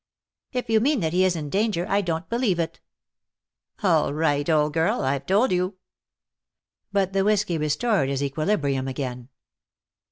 "If you mean that he is in danger, I don't believe it." "All right, old girl. I've told you." But the whiskey restored his equilibrium again.